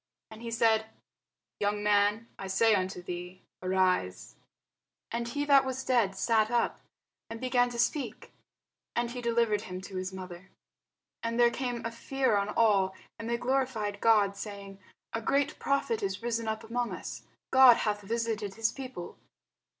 And he said, Young man, I say unto thee, Arise. And he that was dead sat up, and began to speak. And he delivered him to his mother. And there came a fear on all: and they glorified God, saying, A great prophet is risen up among us; God hath visited his people.